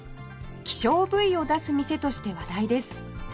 希少部位を出す店として話題です